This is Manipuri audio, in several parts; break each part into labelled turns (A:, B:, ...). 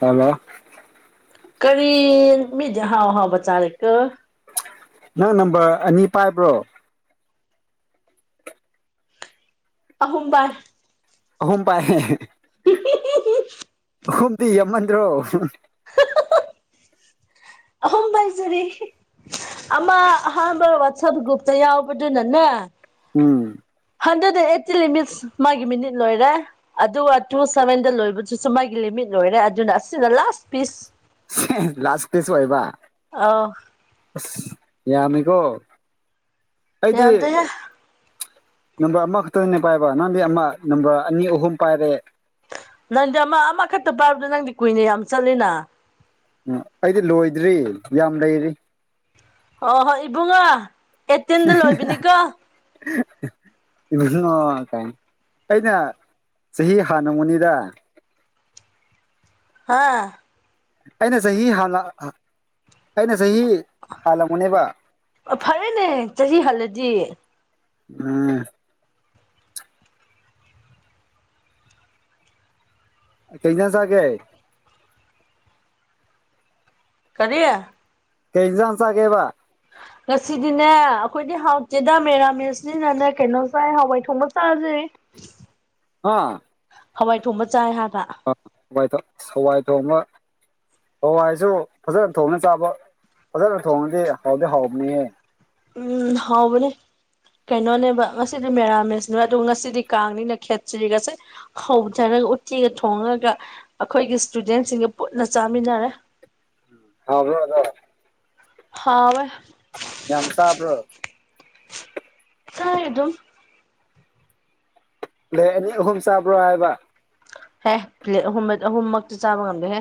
A: ꯍꯂꯣ
B: ꯀꯔꯤ ꯃꯤ ꯍꯥꯎ ꯍꯥꯎ ꯆꯥꯔꯦꯀ
A: ꯅꯪ ꯅꯝꯕꯔ ꯑꯅꯤ ꯄꯥꯏꯕ꯭ꯔꯣ
B: ꯑꯍꯨꯝꯕꯥꯏ
A: ꯑꯍꯨꯝ ꯄꯥꯏ ꯑꯍꯨꯝꯗꯤ ꯌꯥꯝꯃꯟꯗ꯭ꯔꯣ
B: ꯑꯍꯨꯝ ꯄꯥꯏꯖꯔꯤ ꯑꯃ ꯑꯍꯥꯟꯕ ꯋꯥꯆꯞ ꯒ꯭ꯔꯨꯞꯇ ꯌꯥꯎꯕꯗꯨꯅꯅꯦ
A: ꯎꯝ
B: ꯍꯟꯗ꯭ꯔꯦꯗ ꯑꯦꯟ ꯑꯩꯠꯇꯤ ꯂꯤꯃꯤꯠꯁ ꯃꯥꯒꯤ ꯃꯤꯅꯤꯠ ꯂꯣꯏꯔꯦ ꯑꯗꯨꯒ ꯇꯨ ꯁꯚꯦꯟꯗ ꯂꯣꯏꯕꯗꯨꯁꯨ ꯃꯥꯒꯤ ꯂꯤꯃꯤꯠ ꯂꯣꯏꯔꯦ ꯑꯗꯨꯅ ꯑꯁꯤꯅ ꯂꯥꯁ ꯄꯤꯁ
A: ꯂꯥꯁꯇꯦꯁ ꯑꯣꯏꯕ
B: ꯑ
A: ꯑꯁ ꯌꯥꯃꯤꯀꯣ
B: ꯀ ꯌꯥꯗꯦ
A: ꯅꯝꯕꯔ ꯑꯃꯈꯛꯇꯗꯅꯦ ꯄꯥꯏꯕ ꯅꯪꯗꯤ ꯑꯃ ꯅꯝꯕꯔ ꯑꯅꯤ ꯑꯍꯨꯝ ꯄꯥꯏꯔꯦ
B: ꯅꯪꯗꯤ ꯑꯃ ꯑꯃꯈꯛꯇ ꯄꯥꯏꯕꯗꯣ ꯅꯪꯗꯤ ꯀꯨꯏꯅ ꯌꯥꯝ ꯆꯠꯂꯤꯅ
A: ꯎꯝ ꯑꯩꯗꯤ ꯂꯣꯏꯗ꯭ꯔꯤ ꯌꯥꯝ ꯂꯩꯔꯤ
B: ꯑꯣ ꯍꯣꯏ ꯏꯕꯨꯡꯉꯣ ꯑꯦꯠꯇꯦꯟꯗ ꯂꯣꯏꯕꯅꯤꯀꯣ
A: [inaudible] ꯏꯕꯨꯡꯣ ꯀꯥꯏ ꯑꯩꯅ ꯆꯍꯤ ꯍꯥꯟꯅ ꯃꯨꯅꯤꯗ
B: ꯍꯥꯥ
A: ꯑꯩꯅ ꯆꯍꯤ ꯍꯥꯟꯂ ꯑꯩꯅ ꯆꯍꯤ
B: ꯐꯔꯦꯅꯦ ꯆꯍꯤ ꯍꯜꯂꯗꯤ
A: ꯎꯝ ꯀꯩꯩꯖꯟꯁꯒꯦ
B: ꯀꯔꯤ
A: ꯀꯩꯖꯥꯟ ꯆꯒꯦꯕ
B: ꯉꯁꯤꯗꯤꯅꯦ ꯑꯩꯈꯣꯏꯗꯤ ꯍꯥꯎ ꯆꯦꯗꯥ ꯃꯦꯔꯥꯃꯤꯁꯅꯤꯅꯅꯦ ꯀꯩꯅꯣ ꯆꯥꯏ ꯍꯋꯥꯏ ꯊꯣꯡꯕ ꯆꯥꯖꯔꯦ
A: ꯑꯥ
B: ꯍꯋꯥꯏ ꯊꯣꯡꯕ ꯆꯥꯏ ꯍꯥꯏꯕ
A: ꯍꯋꯥꯏ ꯊꯣꯡꯅ ꯍꯋꯥꯏꯁꯨ ꯐꯖꯅ ꯊꯣꯡꯅ ꯆꯥꯕ ꯐꯖꯅ ꯊꯣꯡꯉꯗꯤ ꯍꯥꯎꯗꯤ ꯍꯥꯎꯕꯅꯤꯌꯦ
B: ꯎꯝ ꯍꯥꯎꯕꯅꯦ ꯀꯩꯅꯣꯅꯦꯕ ꯑꯗꯨ ꯃꯦꯔꯥꯃꯦꯦꯁ ꯅꯣꯏ ꯑꯗꯨ ꯉꯁꯤꯗꯤ ꯀꯥꯡꯅꯤꯅ ꯈꯦꯠꯇ꯭ꯔꯤꯒꯁꯦ ꯍꯧꯊꯔꯒ ꯎꯠꯇꯤꯒ ꯊꯣꯡꯉꯒ ꯑꯩꯈꯣꯏꯒꯤ ꯏꯁꯇꯨꯗꯦꯟꯁꯤꯡꯒ ꯄꯨꯟꯅ ꯆꯥꯃꯤꯟꯅꯔꯦ
A: ꯍꯕ꯭ꯔꯗ
B: ꯊꯥꯎꯕ
A: ꯌꯥꯝ ꯆꯥꯕ꯭ꯔꯣ
B: ꯍ ꯍꯥꯏꯣ
A: ꯂꯩ ꯑꯅꯤ ꯑꯍꯨꯝ ꯆꯥꯕ꯭ꯔꯣ ꯍꯥꯏꯕ
B: ꯍꯦ ꯄ꯭ꯂꯦꯠ ꯑꯍꯨꯝ ꯑꯍꯨꯝꯃꯛꯇꯤ ꯆꯥꯕ ꯉꯝꯗꯦꯍꯦ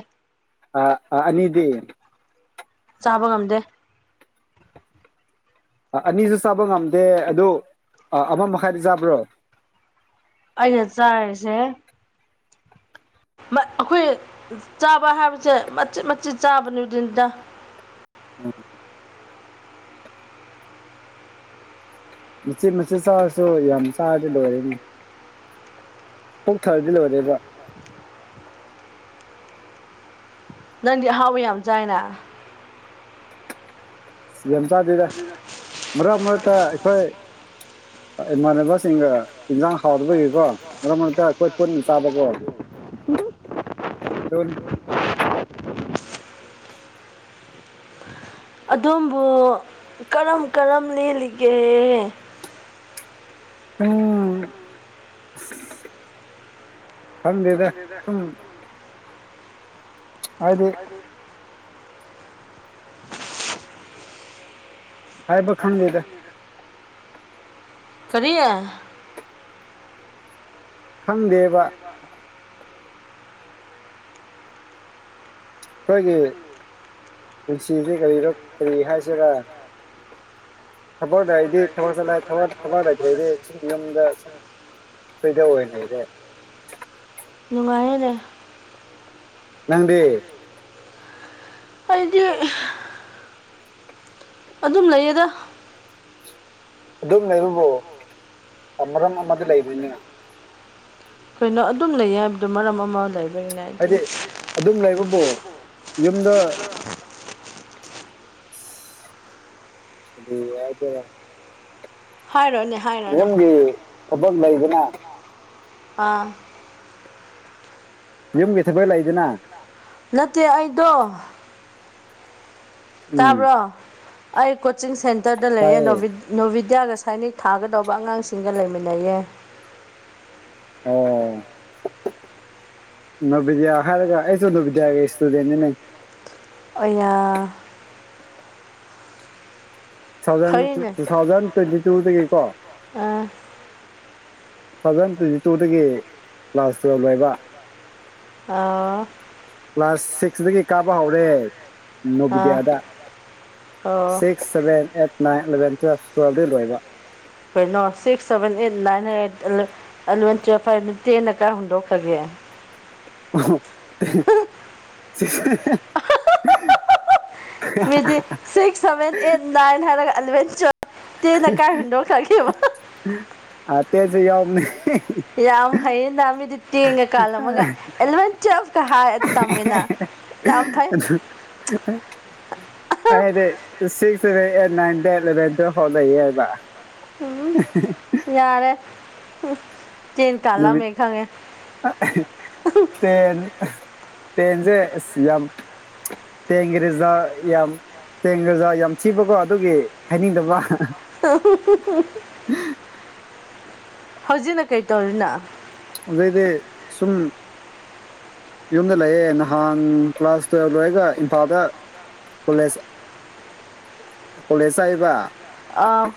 A: ꯑ ꯑꯅꯤꯗꯤ
B: ꯆꯥꯕ ꯉꯝꯗꯦ
A: ꯑꯅꯤꯁꯨ ꯆꯥꯕ ꯉꯝꯗꯦ ꯑꯗꯨ ꯑꯃ ꯃꯈꯥꯏꯗꯤ ꯆꯥꯕ꯭ꯔꯣ
B: ꯑꯩꯅ ꯆꯥꯔꯤꯁꯦ ꯑꯩꯈꯣꯏ ꯆꯥꯕ ꯍꯥꯏꯕꯁꯦ ꯃꯆꯤꯠ ꯃꯆꯤꯠ ꯆꯥꯕ ꯅꯤꯗꯨꯗ
A: ꯎꯝ ꯃꯆꯦꯠ ꯃꯆꯤꯠ ꯆꯥꯔꯁꯨ ꯌꯥꯝ ꯆꯥꯔꯗꯤ ꯂꯣꯏꯔꯅꯤ ꯄꯣꯛ ꯊꯥꯔꯗꯤ ꯂꯩꯔꯗꯕ꯭ꯔꯥ
B: ꯅꯪꯗꯤ ꯑꯍꯥꯎꯕ ꯌꯥꯝ ꯆꯥꯏꯅ
A: ꯁꯤꯝ ꯇꯗꯗ ꯃꯔꯛ ꯃꯔꯛꯇ ꯑꯩꯈꯣꯏ ꯏꯃꯥꯟꯅꯕꯁꯤꯡꯒ ꯏꯟꯖꯥꯡ ꯍꯥꯎꯗꯕꯒꯤ ꯀꯣ ꯃꯔꯛ ꯃꯔꯛꯇ ꯑꯈꯣꯏ ꯀꯨꯟꯅ ꯆꯥꯕꯀꯣ
B: ꯑꯗꯣꯝꯕꯨ ꯀꯔꯝ ꯀꯔꯝ ꯂꯦꯜꯂꯤꯒꯦ
A: ꯎꯝ ꯑ ꯈꯪꯗꯦꯗ ꯁꯨꯝ ꯍꯥꯏꯗꯤ ꯍꯥꯏꯕ ꯈꯪꯗꯦꯗ
B: ꯀꯔꯤ
A: ꯈꯪꯗꯦꯕ ꯑꯩꯈꯣꯏꯒꯤ ꯄꯨꯟꯁꯤꯁꯤ ꯀꯔꯤꯗꯣ ꯀꯔꯤ ꯍꯥꯏꯁꯤꯔ ꯊꯕꯛ ꯂꯩꯔꯗꯤ ꯊꯔꯛ ꯆꯠꯂꯦ ꯊꯔꯛ ꯂꯩꯇꯔꯗꯤ ꯌꯨꯝꯗ ꯁꯨꯝ ꯁꯤꯒꯑꯣꯅꯦ
B: ꯅꯨꯡꯉꯥꯏꯅꯅꯦꯦ
A: ꯅꯪꯗꯤ
B: ꯗꯤ ꯑꯗꯨꯝ ꯂꯩꯌꯦꯗ
A: ꯑꯗꯨꯝ ꯂꯩꯕꯕꯨ ꯃꯔꯝ ꯑꯃꯗꯤ ꯂꯩꯕꯅꯦ
B: ꯀꯩꯅꯣ ꯑꯗꯨꯝ ꯂꯩ ꯍꯥꯏꯕꯗꯣ ꯃꯔꯝ ꯑꯃ ꯂꯩꯕꯒꯤꯅ ꯑꯩꯗꯤ
A: ꯑꯗꯨꯝ ꯂꯩꯕꯕꯨ ꯌꯨꯝꯗ ꯌꯥꯖ [unintelligible]
B: ꯍꯥꯏꯔꯣꯅꯦ
A: ꯌꯨꯝꯒꯤ ꯊꯕꯛ ꯂꯩꯗꯅ
B: ꯑꯥ
A: ꯌꯨꯝꯒꯤ ꯊꯕꯛ ꯂꯩꯗꯥꯅ
B: ꯅꯠꯇꯦ ꯑꯩꯗꯣ ꯇꯥꯕ꯭ꯔꯣ ꯑꯩ ꯀꯣꯆꯤꯡ ꯁꯦꯟꯇꯔꯗ ꯂꯩꯌꯦ ꯅꯣꯕꯤꯠ ꯅꯣꯚꯤꯗ꯭ꯌꯥꯒ ꯁꯥꯏꯅꯤꯛ ꯊꯥꯒꯗꯧꯕ ꯑꯉꯥꯡꯁꯤꯡꯒ ꯂꯩꯃꯤꯟꯅꯩꯌꯦ
A: ꯑꯣ ꯅꯣꯕꯤꯗ꯭ꯌꯥ ꯍꯥꯏꯔꯒ ꯑꯩꯁꯨ ꯅꯣꯕꯤꯗ꯭ꯌꯥꯒꯤ ꯏꯁꯇꯨꯗꯦꯟꯅꯤꯅꯦ
B: ꯑꯩꯌꯥ
A: ꯊꯥꯎꯖꯟ ꯇꯨ ꯊꯥꯎꯖꯟ ꯇ꯭ꯋꯦꯟꯇꯤ ꯇꯨꯗꯒꯤ ꯀꯣ
B: ꯑ
A: ꯇꯨ ꯊꯥꯎꯖꯟ ꯇ꯭ꯋꯦꯟꯇꯤ ꯇꯨꯗꯒꯤ ꯀ꯭ꯂꯥꯁ ꯇꯨꯋꯜ ꯂꯩꯕ
B: ꯑꯥ.....
A: ꯀ꯭ꯂꯥꯁ ꯁꯤꯛꯁꯇꯗꯒꯤ ꯀꯥꯕ ꯍꯧꯔꯦ ꯅꯕꯣꯗꯤꯌꯗ ꯁꯤꯁ ꯁꯕꯦꯜ, ꯑꯦꯠ, ꯅꯥꯏꯟ, ꯑꯦꯂꯥꯅꯚꯦꯟ, ꯇꯨꯌꯦꯞ ꯂꯣꯏꯔꯗꯤ ꯂꯣꯏꯕ
B: ꯀꯩꯅꯣ six seven eight nine eight eleven twelve five ꯇꯦꯟꯅ ꯀꯥꯏ ꯍꯨꯟꯗꯣꯛꯈ꯭ꯔꯒꯦ
A: ꯑꯣ [unintelligible]
B: ꯁꯤꯛꯁ ꯁꯚꯦꯟ ꯑꯦꯠ ꯅꯥꯏꯟ ꯍꯔ ꯑꯦꯂꯚꯦꯟ ꯆꯋ ꯇꯅ ꯀꯥꯏ ꯍꯨꯟꯗꯣꯛ ꯈꯔꯒꯦꯕꯥ
A: ꯑꯇꯦꯁꯨ ꯌꯥꯎꯕꯅꯦ
B: ꯌꯥꯝ ꯍꯌꯦꯡ ꯉꯃꯤꯗꯤꯇꯤ ꯏ ꯀꯂ ꯑꯃꯒ ꯑꯦ ꯆ ꯇꯝꯃꯤꯅ ꯌꯥꯝ ꯐꯩ
A: ꯎ ꯑꯩꯗꯤ ꯁꯤꯛꯁ ꯁꯚꯦꯟ ꯑꯩꯠ ꯅꯥꯏꯟ ꯗꯠ ꯏꯂꯚꯦꯟ ꯇ ꯍꯣꯠꯂꯛꯑ ꯍꯥꯏꯕ [inaudible]
B: ꯌꯥꯔꯦ ꯍꯨꯝ ꯆꯤꯟ ꯀꯥꯂꯥꯃꯦ ꯈꯪꯉꯦ꯫
A: ꯇꯦꯟ ꯇꯦꯟꯁꯦ ꯑꯁ ꯌꯥꯝ ꯇꯦꯜꯒꯤ ꯔꯤꯖꯜ ꯌꯥꯝ ꯇꯦꯡꯒꯖꯥ ꯌꯥꯝ ꯊꯤꯕꯀꯣ ꯑꯗꯨꯒꯤ ꯍꯥꯏꯅꯤꯡꯗꯕ
B: ꯑ [unintelligible]
A: ꯎꯝ
B: ꯍꯧꯖꯤꯛꯅ ꯀꯩꯇꯧꯔꯤꯅꯣ
A: ꯑꯗꯗꯤ ꯁꯨꯝ ꯌꯨꯝꯗ ꯂꯩꯌꯦꯦ ꯅꯍꯥꯟ ꯀ꯭ꯂꯥꯁ ꯇꯨꯌꯦꯕ ꯂꯣꯏꯔꯒ ꯏꯝꯐꯥꯜꯗ ꯀꯣꯂꯦꯖ ꯀꯣꯂꯦꯖ ꯆꯕ
B: ꯑꯥ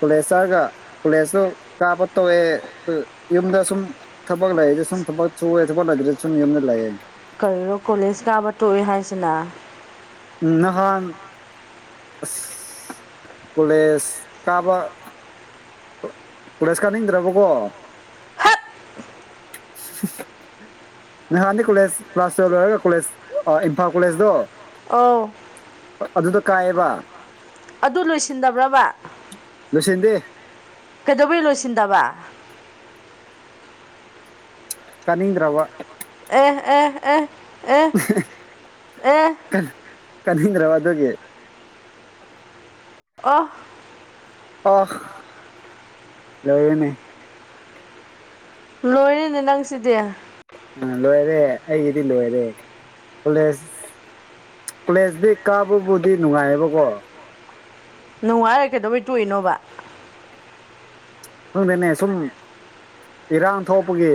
A: ꯀꯣꯂꯦꯁ ꯆꯥꯒ ꯀꯣꯂꯦꯁꯇ ꯀꯥꯕ ꯇꯧꯑꯦ ꯌꯨꯝꯗ ꯁꯨꯝ ꯊꯕꯛ ꯂꯥꯛꯑꯦ ꯁ ꯊꯕꯛ ꯆꯑꯣ ꯊꯕꯛ ꯂꯥꯛꯒꯦ ꯁꯅꯤꯝ ꯂꯩꯥꯛꯑꯦ
B: ꯀꯔꯤꯔꯣ ꯀꯣꯂꯦꯖ ꯀꯥꯕ ꯇꯣꯛꯑꯦ ꯍꯥꯏꯁꯤꯅ
A: ꯅꯍꯥꯟ ꯑꯁ.. ꯀꯣꯂꯦꯖ ꯀꯥꯕ ꯀꯣꯂꯦꯖ ꯀꯥꯅꯤꯡꯗ꯭ꯔꯕꯀꯣ ꯅꯍꯥꯟꯗꯤ ꯀꯣꯂꯦꯖ ꯀ꯭ꯂꯥꯁ ꯇꯨꯌꯦꯞ ꯂꯣꯏꯔꯒ ꯀꯣꯂꯦꯖ ꯏꯝꯐꯥꯜ ꯀꯣꯂꯦꯖꯗꯣ
B: ꯑꯧ
A: ꯑꯗꯨꯗ ꯀꯥꯏꯌꯦꯕ
B: ꯑꯗꯨ ꯂꯣꯏꯁꯤꯟꯗꯕ꯭ꯔꯥꯕ
A: ꯂꯣꯏꯁꯤꯟꯗꯦ
B: ꯀꯩꯗꯧꯕꯩ ꯂꯣꯏꯁꯤꯟꯗꯥꯕ
A: ꯀꯅꯤꯡꯗ꯭ꯔꯕ
B: ꯑꯦ ꯑꯦ ꯑꯦ
A: [inaudible]
B: ꯑꯦ
A: ꯀꯔꯤꯗ꯭ꯔꯕ ꯑꯗꯨꯒꯦ
B: ꯑꯣ
A: ꯑ ꯂꯣꯏꯅꯦ
B: ꯂꯣꯏꯔꯅꯦ ꯅꯪꯁꯤꯗꯤ
A: ꯑꯥ ꯂꯣꯏꯔꯦ ꯑꯩꯒꯤꯗꯤ ꯂꯣꯏꯔꯦ ꯀꯣꯂꯦꯖ ꯀꯂꯦꯁ ꯀꯥꯕꯕꯨꯗꯤ ꯅꯨꯡꯉꯥꯏꯌꯦꯕꯀꯣ
B: ꯅꯨꯡꯉꯥꯏꯔꯛ ꯀꯩꯗꯧꯕꯩ ꯇꯣꯛꯏꯅꯣꯕ
A: ꯍꯪꯗꯅꯦ ꯁꯨꯝ ꯏꯔꯥꯡ ꯊꯣꯛꯄꯒꯤ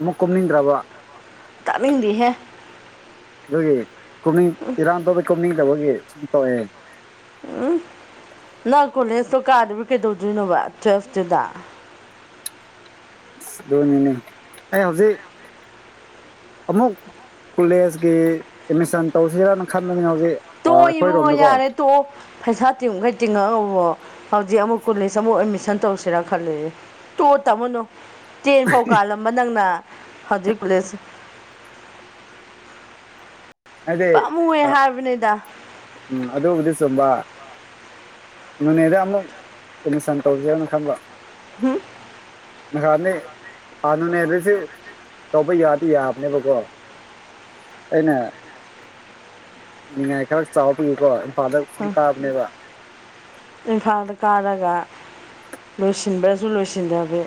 A: ꯑꯃꯨꯛ ꯀꯨꯝꯅꯤꯡꯗ꯭ꯔꯕ
B: ꯇꯥꯅꯤꯡꯗꯦꯍꯦ
A: ꯑꯗꯨꯒꯤ ꯀꯨꯝꯅꯤꯡ ꯏꯔꯥꯡ ꯇꯧꯕꯒꯤ ꯀꯨꯝꯅꯤꯡꯗꯕꯒꯤ ꯁꯨꯝ ꯇꯧꯑꯦ
B: ꯎꯝ ꯅꯪ ꯀꯣꯂꯦꯖꯇꯣ ꯀꯥꯗꯕꯨ ꯀꯩꯗꯧꯗꯣꯏꯅꯣꯕ ꯇꯨꯋꯦꯜꯐꯇꯨꯗ
A: ꯅꯤ ꯑꯩ ꯍꯧꯖꯤꯛ ꯑꯃꯨꯛ ꯀꯣꯂꯦꯖꯀꯤ ꯑꯦꯗꯃꯤꯁꯟ ꯇꯧꯁꯤꯔꯅ ꯈꯟꯕꯅꯤꯅ ꯍꯧꯖꯤꯛ ꯑꯣ ꯑꯩꯈꯣꯏꯔꯣꯝꯅꯀꯣ
B: ꯇꯣꯀꯣ ꯄꯩꯁꯥ ꯇꯤꯡꯈꯩ ꯇꯤꯡꯉꯛꯉꯕꯣ ꯍꯧꯖꯤꯛ ꯑꯃꯨꯛ ꯀꯣꯂꯦꯖ ꯑꯃꯨꯛ ꯑꯦꯗꯃꯤꯁꯟ ꯇꯧꯁꯤꯔꯥ ꯈꯜꯂꯦ ꯇꯣ ꯇꯥꯝꯃꯅꯣ ꯇꯦꯟ ꯐꯥꯎ ꯀꯥꯜꯂꯝꯕ ꯅꯪꯅ ꯍꯧꯖꯤꯛ ꯀꯨꯂꯦꯁ
A: ꯑ ꯎꯝ ꯑꯗꯨꯕꯨꯗꯤ ꯆꯨꯝꯕ ꯅꯣꯅꯦꯗ ꯑꯃꯨꯛ ꯑꯦꯗꯃꯤꯁꯟ ꯇꯧꯖꯤꯔꯅ ꯈꯟꯕ
B: ꯎꯝ
A: [unintelligible] ꯇꯧꯕ ꯌꯥꯗꯤ ꯌꯥꯕꯅꯦꯕꯀꯣ ꯑꯩꯅ ꯅꯤꯡꯉꯥꯏ ꯈꯔ ꯆꯥꯎꯕꯒꯤꯀꯣ ꯏꯝꯐꯥꯜꯗ ꯁꯨꯝ ꯀꯥꯕꯅꯦꯕ
B: ꯏꯝꯐꯥꯜꯗ ꯀꯥꯔꯒ ꯂꯣꯏꯁꯤꯟꯕ꯭ꯔꯁꯨ ꯂꯣꯏꯁꯤꯟꯗꯥꯕꯤ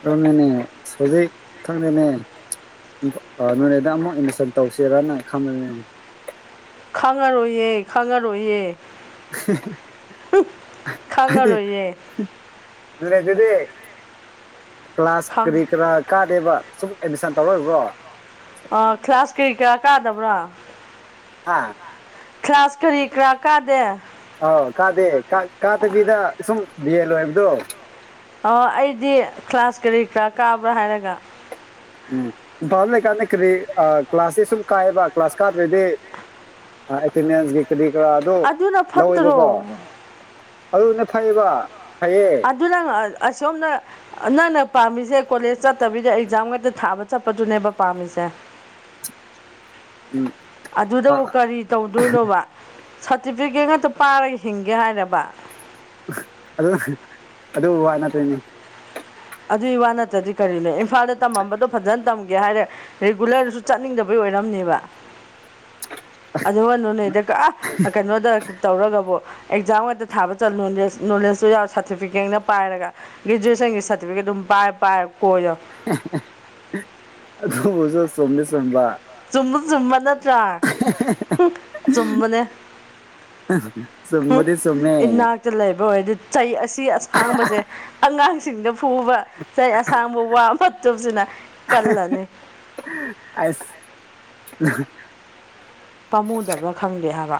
A: ꯑꯗꯨꯃꯤꯅꯦ ꯁꯖꯤꯛ ꯊꯪꯗꯦꯅꯦ ꯅꯣꯅꯦꯗ ꯑꯃꯨꯛ ꯑꯦꯗꯃꯤꯁꯟ ꯇꯧꯁꯤꯔꯅ ꯈꯪꯕꯅꯦ
B: ꯈꯪꯉꯔꯣꯏꯌꯦ ꯈꯪꯉꯔꯣꯏꯌꯦ
A: ꯑꯩꯗꯤ ꯑꯗꯨꯒꯗꯤ ꯀ꯭ꯂꯥꯁ ꯀꯤꯔꯤ ꯀꯔꯥ ꯀꯥꯗꯦꯕ ꯁꯨꯝ ꯑꯦꯗꯃꯤꯁꯟ ꯇꯧꯔꯛꯣꯏꯕ꯭ꯔꯣ
B: ꯑ ꯀ꯭ꯂꯥꯁ ꯀꯩ ꯀꯌꯥꯥ ꯀꯥꯗꯕ꯭ꯔꯥ
A: ꯍꯥ
B: ꯀ꯭ꯂꯥꯁ ꯀꯔꯤ ꯀꯔꯥ ꯀꯥꯗꯦ
A: ꯑꯥꯎ ꯀꯥꯗꯦ ꯀꯥꯗꯕꯤꯗ ꯁꯨꯝ ꯌꯦꯦꯜꯂꯣ ꯍꯥꯏꯕꯗꯣ
B: ꯑꯣ ꯑꯩꯗꯤ ꯀ꯭ꯂꯥꯁ ꯀꯔꯤ ꯀꯔꯥ ꯀꯥꯕ꯭ꯔꯥ ꯍꯥꯏꯔꯒ
A: ꯎꯝꯥ ꯂꯩꯀꯥꯟꯗ ꯀꯔꯤ ꯀ꯭ꯂꯥꯁꯁꯤ ꯁꯨꯝ ꯀꯥꯏꯑꯦꯕ ꯀ꯭ꯂꯥꯁ ꯀꯥꯗ꯭ꯔꯗꯤ ꯑꯦꯇꯦꯟꯗꯦꯟꯁꯀꯤ ꯀꯔꯤ ꯀꯔꯥ ꯑꯗꯨ ꯂꯧꯋꯦꯕꯀꯣ ꯑꯗꯨꯅ ꯐꯩꯌꯦꯕ ꯐꯩꯌꯦ
B: ꯑꯗꯨ ꯅꯪ ꯑꯁꯣꯝꯅ ꯑ ꯅꯪꯅ ꯄꯥꯝꯃꯤꯖꯦ ꯀꯣꯂꯦꯖ ꯆꯠꯇꯕꯤꯗ ꯑꯦꯛꯖꯥꯝ ꯈꯛꯇ ꯊꯥꯕ ꯆꯠꯄꯗꯨꯅꯦꯕ ꯄꯥꯝꯃꯤꯖꯦ꯫
A: ꯎꯝ
B: ꯑꯗꯨꯗꯕꯨ ꯀꯔꯤ ꯇꯧꯗꯣꯏꯅꯣꯕ ꯁꯥꯔꯇꯤꯐꯤꯀꯦꯠ ꯉꯥꯛꯇ ꯄꯥꯔꯒ ꯍꯤꯡꯒꯦ ꯍꯥꯏꯔꯕ꯫
A: ꯑ ꯑꯗꯨ ꯑꯗꯨ ꯋꯥ ꯅꯠꯇꯦꯍꯦ
B: ꯑꯗꯨꯒꯤ ꯋꯥ ꯅꯠꯇ꯭ꯔꯗꯤ ꯀꯔꯤꯅꯣ ꯏꯝꯐꯥꯜꯗ ꯇꯝꯃꯝꯕꯗꯣ ꯐꯖꯅ ꯇꯝꯒꯦ ꯍꯥꯏꯔꯦ ꯔꯤꯒꯨꯂꯔꯁꯨ ꯆꯠꯅꯤꯡꯗꯕꯩ ꯑꯣꯏꯔꯝꯅꯦꯕ ꯑꯗꯨꯅꯨ ꯅꯣꯏꯗ ꯑ ꯀꯩꯅꯣꯗ ꯇꯧꯔꯒꯕꯨ ꯑꯦꯛꯖꯥꯝ ꯉꯥꯛꯇ ꯊꯥꯕ ꯆꯠꯂ ꯅꯣꯂꯦꯖꯇꯨ ꯌꯥꯎ ꯁꯥꯔꯇꯤꯐꯤꯀꯦꯠꯅ ꯄꯥꯏꯔꯒ ꯒ꯭ꯔꯦꯖꯨꯑꯦꯁꯟꯒꯤ ꯇꯤꯐꯦꯠ ꯑꯗꯨꯝ ꯄꯥꯏ ꯄꯥꯏ ꯀꯣꯏꯔꯣ
A: [unintelligible] ꯑꯗꯨꯕꯨꯖꯨ ꯆꯨꯝꯃꯦ ꯆꯨꯝꯕ꯫
B: ꯆꯨꯝ ꯆꯨꯝꯃ ꯅ ꯆꯥ
A: [unintelligible] ꯆꯨꯝꯕꯗꯤ ꯆꯨꯝꯃꯦ
B: ꯂꯩꯕ ꯑꯣꯏꯔꯗꯤ ꯆꯩ ꯑꯁꯤ ꯑꯁꯥꯡꯕꯁꯦ ꯑꯉꯥꯡꯁꯤꯡꯗ ꯐꯨꯕ ꯁ ꯑꯁꯥꯡꯕ ꯋꯥ ꯐꯠꯇꯕꯁꯤꯅ ꯀꯜꯂꯅꯤ
A: [unintelligible] ꯑꯁ
B: ꯄꯥꯝꯃꯨꯗꯕ꯭ꯔꯥ ꯈꯪꯗꯦ ꯍꯥꯏꯕ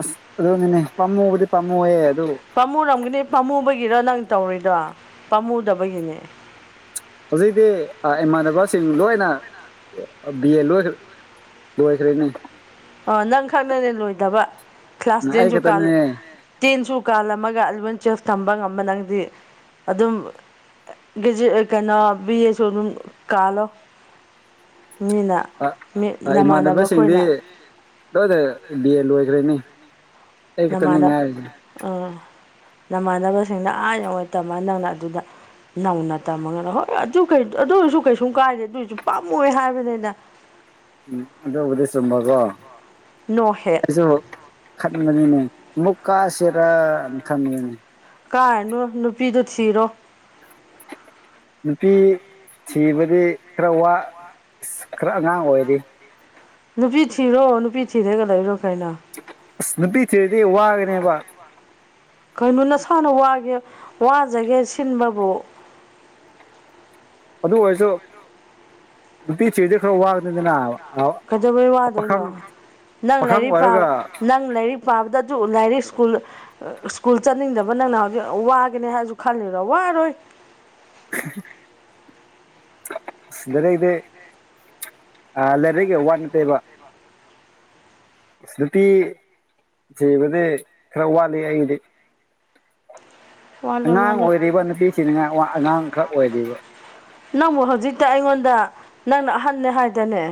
A: ꯑꯁ ꯑꯗꯨꯅꯤꯅꯦ ꯄꯃꯨꯕꯨꯗꯤ ꯄꯥꯝꯃꯨꯑꯦ ꯑꯗꯣꯕꯨ
B: ꯄꯥꯝꯃꯨꯔꯝꯒꯅꯤ ꯄꯥꯝꯃꯨꯕꯒꯤꯔ ꯅꯪ ꯇꯧꯔꯤꯗꯣ ꯄꯥꯝꯃꯨꯗꯕꯒꯤꯅꯦ꯫
A: ꯍꯧꯖꯤꯛꯇꯤ ꯏꯃꯥꯟꯅꯕꯁꯤꯡ ꯂꯣꯏꯅ ꯕꯤ ꯑꯦ ꯂꯣꯏꯈ ꯂꯣꯏꯈ꯭ꯔꯅꯦ
B: ꯑꯣ ꯅꯪ ꯈꯛꯅꯅꯦ ꯂꯣꯏꯗꯕ ꯀ꯭ꯂꯥꯁ ꯇꯦꯟꯁꯨ ꯀ ꯇꯦꯟꯁꯨ ꯀꯥꯜꯂꯝꯃꯒ ꯑꯦꯂꯚꯦꯟ ꯇꯨꯌꯦꯜꯞ ꯇꯝꯕ ꯉꯝꯕ ꯅꯪꯗꯤ ꯑꯗꯨꯝ ꯒ꯭ꯔꯖꯣꯠ ꯀꯩꯅꯣ ꯕꯤ ꯑꯦꯁꯨ ꯑꯗꯨꯝ ꯀꯥꯂꯣ ꯃꯤꯅ
A: ꯏꯃꯥꯟꯅꯕꯁꯤꯡꯗꯤ ꯂꯣꯏꯅꯥ ꯕꯤ ꯑꯦ ꯂꯣꯏꯈ꯭ꯔꯅꯤ
B: ꯅꯃꯥꯟꯅ ꯑ ꯅꯃꯥꯟꯅꯕꯁꯤꯡꯅ ꯑꯥ ꯌꯧꯒꯩ ꯇꯝꯃ ꯅꯪꯅ ꯑꯗꯨꯗ ꯅꯧꯅ ꯇꯝꯃꯒꯅ ꯍꯣꯏ ꯑꯗꯨ ꯑꯗꯨ ꯑꯣꯏꯔꯁꯨ ꯀꯩꯁꯨꯝ ꯀꯥꯏꯗꯦ ꯑꯗꯨꯑꯣꯏꯔꯁꯨ ꯄꯥꯝꯃꯨꯏ ꯍꯥꯏꯕꯅꯤꯗ꯫
A: ꯎꯝ ꯑꯗꯣ ꯎꯗ ꯁꯝꯕꯕꯣ
B: ꯅꯣꯍꯦꯠ
A: [unintelligible] ꯈꯟꯕꯅꯤꯅꯦ ꯑꯃꯨꯛ ꯀꯥꯁꯤꯔꯥ ꯑꯃꯨꯛ ꯈꯟꯕꯅꯤꯅꯦ꯫
B: ꯀꯥꯔꯅꯨ ꯅꯨꯄꯤꯗꯣ ꯊꯤꯔꯣ
A: ꯅꯨꯄꯤ ꯊꯤꯕꯗꯤ ꯈꯔ ꯋꯥ ꯈꯔ ꯑꯉꯥꯡ ꯑꯣꯏꯔꯤ
B: ꯅꯨꯄꯤ ꯊꯤꯔꯣ ꯅꯨꯄꯤ ꯊꯤꯔꯒ ꯂꯩꯔꯣ ꯀꯩꯏꯩꯅꯣ
A: ꯑꯁ ꯅꯨꯄꯤ ꯆꯗꯤ ꯋꯥꯒꯅꯦꯕ
B: ꯀꯩꯅꯣ ꯅꯁꯥꯅ ꯋꯥꯒꯦ ꯋꯥꯖꯒꯦ ꯁꯤꯟꯕꯕꯨ
A: ꯑꯗꯨ ꯑꯣꯏꯔꯁꯨ ꯅꯨꯄꯤ ꯊꯤꯔꯥꯗꯤ ꯈꯔ ꯋꯥꯕꯅꯤꯗꯅꯕ
B: ꯀꯩꯗꯧꯕꯩ ꯋꯥꯗꯣꯏꯅꯣ ꯅꯪ ꯂꯥꯏꯔꯤꯛ ꯄꯥꯕ ꯅꯪ ꯂꯥꯏꯔꯤꯛ ꯄꯥꯕꯗꯨ ꯂꯥꯏꯔꯤꯛ ꯁ꯭ꯀꯨꯜ ꯁ꯭ꯀꯨꯜ ꯆꯠꯅꯤꯡꯗꯕ ꯅꯪꯅ ꯍꯧꯖꯤꯛ ꯋꯥꯒꯅꯤ ꯍꯥꯏꯁꯨ ꯈꯜꯂꯤꯔꯣ ꯋꯥꯔꯣꯏ
A: [inaudible] ꯑꯁ ꯂꯩꯔꯩꯗꯤ ꯂꯩꯔꯛꯀꯤ ꯋꯥꯠ ꯅꯠꯇꯦꯕ ꯅꯨꯄꯤ ꯆꯦꯕꯗꯤ ꯈꯔ ꯋꯥꯠꯂꯤ ꯑꯩꯒꯤꯗꯤ ꯑꯉꯥꯡ ꯑꯣꯏꯔꯤꯕ ꯅꯨꯄꯤ ꯊꯤꯅꯤꯉꯥꯏ ꯑꯉꯥꯡ ꯈꯔ ꯑꯣꯏꯔꯤꯕ
B: ꯅꯪꯕꯨ ꯍꯧꯖꯤꯛꯇ ꯑꯩꯉꯣꯟꯗ ꯅꯪꯅ ꯑꯍꯟꯅꯦ ꯍꯥꯏꯗꯅꯦ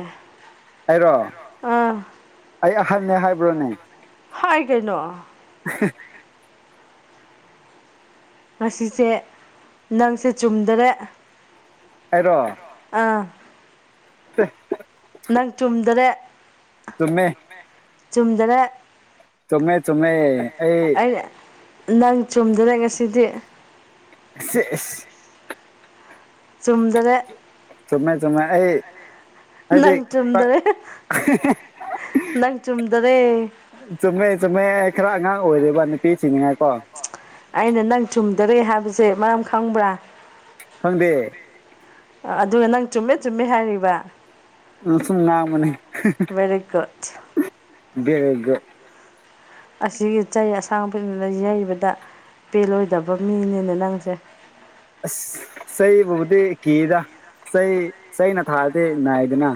A: ꯑꯩꯔꯣ ꯑꯩ ꯑꯍꯜꯅꯦ ꯍꯥꯏꯕ꯭ꯔꯣꯅꯦ
B: ꯍꯥꯏ ꯀꯩꯅꯣ
A: [unintelligible]
B: ꯉꯁꯤꯁꯦ ꯅꯪꯁꯦ ꯆꯨꯝꯗꯔꯦ
A: ꯑꯩꯔꯣ
B: ꯑꯥ
A: [unintelligible]
B: ꯅꯪ ꯆꯨꯝꯗꯔꯦ ꯆꯨꯝꯗꯔꯦ꯫ ꯅꯪ ꯆꯨꯝꯗꯔꯦ ꯉꯁꯤꯗꯤ
A: [inaudible]
B: ꯆꯨꯝꯗꯔꯦ
A: ꯆꯨꯝꯃꯦ ꯆꯨꯝꯃꯦ ꯑꯩ
B: ꯅꯪ ꯆꯨꯝꯗꯔꯦ ꯅꯪ ꯆꯨꯝꯗꯔꯦ
A: ꯆꯨꯝꯃꯦ ꯆꯨꯝꯃꯦ ꯑꯩ ꯈꯔ ꯑꯉꯥꯡ ꯑꯣꯏꯔꯦꯔꯤꯕ ꯅꯨꯄꯤ ꯊꯅꯤꯉꯥꯏꯀꯣ
B: ꯑꯩꯅ ꯅꯪ ꯆꯨꯝꯗꯔꯦ ꯍꯥꯏꯕꯁꯦ ꯃꯔꯝ ꯈꯪꯕ꯭ꯔꯥ
A: ꯈꯪꯗꯦ
B: ꯑꯗꯨꯒ ꯅꯪ ꯆꯨꯝꯃꯦ ꯆꯨꯝꯃꯦ ꯍꯥꯏꯔꯤꯕ꯫
A: ꯎ ꯁꯨꯝꯅ ꯑꯃꯅꯤꯅꯤ
B: ꯑꯁꯤꯒꯤ ꯆꯩ ꯑꯁꯥꯡꯕꯅ ꯌꯩꯕꯗ ꯄꯦꯜꯂꯣꯏꯗꯕ ꯃꯤꯅꯦꯕ ꯅꯪꯖꯦ꯫
A: ꯑꯁ ꯆꯩꯕꯨꯗꯤ ꯀꯤꯗ ꯆꯩ ꯆꯩꯅ ꯊꯥꯔꯗꯤ ꯅꯥꯏꯗꯅ꯫